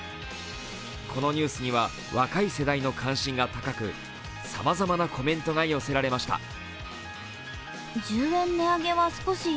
このニュースには若い世代の関心が高くさまざまなコメントが寄せられました。